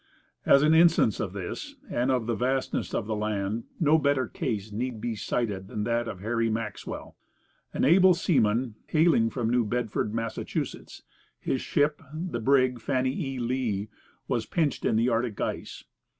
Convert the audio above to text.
As an instance of this, and of the vastness of the land, no better case need be cited than that of Harry Maxwell. An able seaman, hailing from New Bedford, Massachusetts, his ship, the brig Fannie E. Lee, was pinched in the Arctic ice.